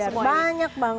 masih belajar banyak banget